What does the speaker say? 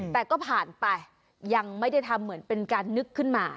แต่ก็ผ่านไปยังไม่ได้ทำเหมือนเป็นการนึกขึ้นมา